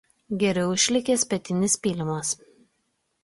Geriau išlikęs pietinis pylimas.